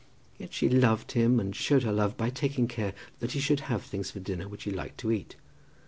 Yet she loved him, and showed her love by taking care that he should have things for dinner which he liked to eat.